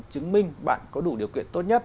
chứng minh bạn có đủ điều kiện tốt nhất